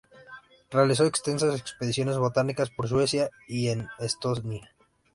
Realizo extensas expediciones botánicas por Suecia, y en Estonia.